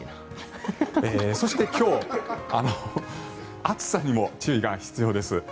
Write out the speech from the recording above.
そして今日暑さにも注意が必要です。